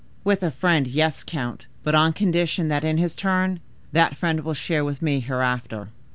"With a friend—yes, count, but on condition that, in his turn, that friend will share with me hereafter!"